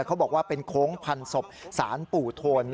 เขาบอกว่าเป็นโค้งพันศพสารปู่โทน